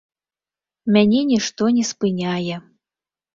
Мяне нішто не спыняе.